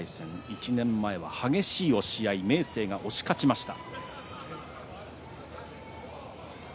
１年前は激しい押し合い明生が押し勝ちました。